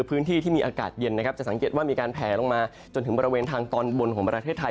พื้นที่ที่มีอากาศเย็นนะครับจะสังเกตว่ามีการแผลลงมาจนถึงบริเวณทางตอนบนของประเทศไทย